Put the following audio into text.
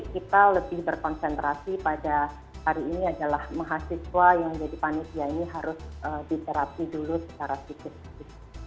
kita lebih berkonsentrasi pada hari ini adalah mahasiswa yang jadi panitia ini harus diterapi dulu secara fisik